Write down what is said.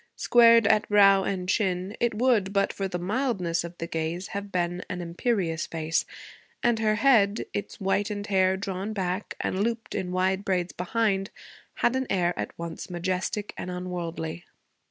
Squared at brow and chin, it would, but for the mildness of the gaze, have been an imperious face; and her head, its whitened hair drawn back and looped in wide braids behind, had an air at once majestic and unworldly.